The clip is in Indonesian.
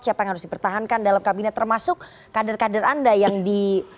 siapa yang harus dipertahankan dalam kabinet termasuk kader kader anda yang di